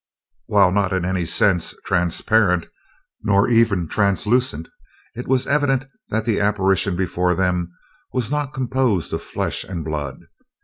While not in any sense transparent, nor even translucent, it was evident that the apparition before them was not composed of flesh and blood.